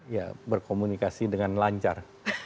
ya berkomunikasi dengan lancar